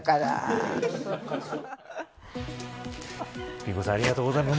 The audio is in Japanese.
ピン子さんありがとうございます。